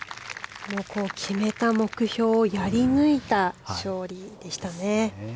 決めた目標をやり抜いた勝利でしたね。